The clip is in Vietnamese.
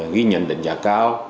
ghi nhận đánh giá cao